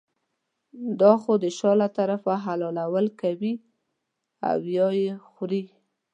دا خو د شا له طرفه حلالول کوي او یې خوري.